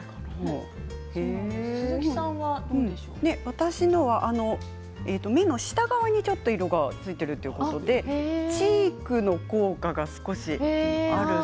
私のは目の下側にちょっと色がついているということでチークの効果が少しあるそうなんです。